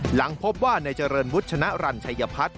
หลังพบว่าในเจริญพุทธชนะรันไชยพัฒน์